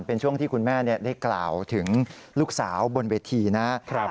เป็นช่วงที่คุณแม่ได้กล่าวถึงลูกสาวบนเวทีนะครับ